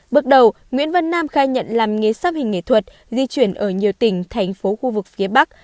bước đầu nguyễn văn nam khai nhận làm nghề sắp hình nghệ thuật di chuyển ở nhiều tỉnh thành phố khu vực phía bắc